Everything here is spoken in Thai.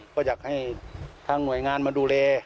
ก็อยากให้ทางหน่วยงานมาดูแล